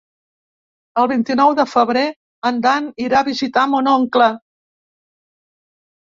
El vint-i-nou de febrer en Dan irà a visitar mon oncle.